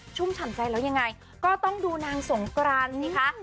ฉ่ำใจแล้วยังไงก็ต้องดูนางสงกรานสิคะ